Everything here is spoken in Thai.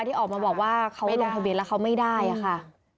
ที่ออกมาบอกว่าเขาลงทะเบียนแล้วเขาไม่ได้อะค่ะ